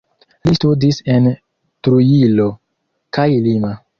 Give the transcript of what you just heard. Li studis en Trujillo kaj Lima.